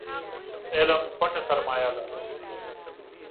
علم پټه سرمايه ده